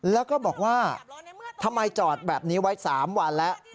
แล้วก็บอกว่าทำไมจอดแบบนี้ไว้๓วันแล้ว